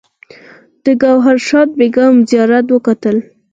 د ګوهر شاد بیګم زیارت وکتل.